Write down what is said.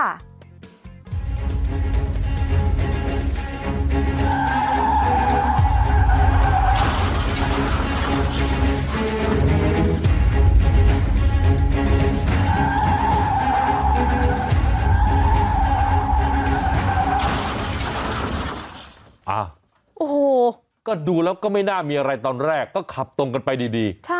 โอ้โหก็ดูแล้วก็ไม่น่ามีอะไรตอนแรกก็ขับตรงกันไปดี